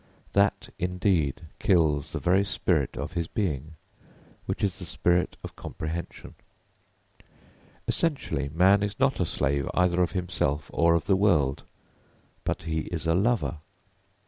That indeed kills the very spirit of his being, which is the spirit of comprehension. Essentially man is not a slave either of himself or of the world; but he is a lover.